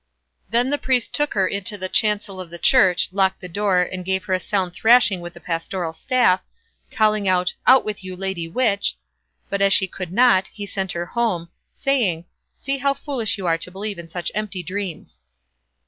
Then the priest took her into the chancel of the church, locked the door, and gave her a sound thrashing with the pastoral staff, calling out "Out with you, lady witch." But as she could not, he sent her home, saying "See now how foolish you are to believe in such empty dreams".